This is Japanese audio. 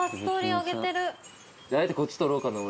あえてこっち撮ろうかな。